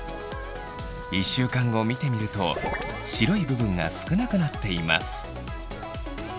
１週間後見てみると白い部分が少なくなっています。